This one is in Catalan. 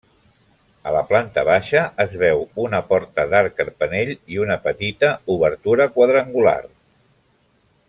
A la planta baixa es veu una porta d'arc carpanell i una petita obertura quadrangular.